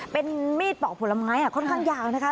เป็นมีดปอกผลไม้ค่อนข้างยาวนะคะ